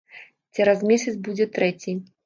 Цераз месяц будзе трэці.